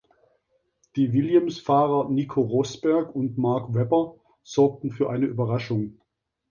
Die Williams Fahrer Nico Rosberg und Mark Webber sorgten für eine Überraschung.